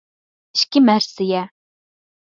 ئىككى مەرسىيە